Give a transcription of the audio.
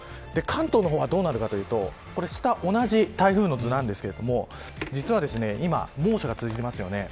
関東の方はどうなるかというと下は同じ台風の図ですが実は今、猛暑が続いてますよね。